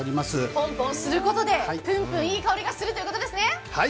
ぽんぽんすることでぷんぷんいい香りがするということですね。